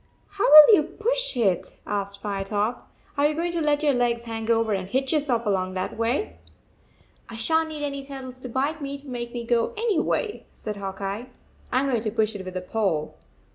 "How will you push it?" asked Firetop. "Are you going to let your legs hang over and hitch yourself along that way?" " I shan t need any turtles to bite me to make me go anyway," said Hawk Eye. 41 I m going to push it with a pole."